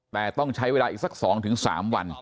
แต่ต้องใช้เวลาอีกสัก๒๓วัน